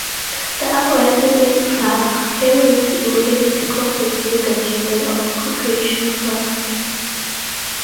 The uprising in Prague came into immediate conflict with the German occupation forces.